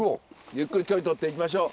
ゆっくり距離とって行きましょう。